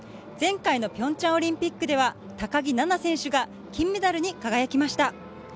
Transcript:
前回のピョンチャンオリンピックでは高木菜那選手が金メダルに輝きました。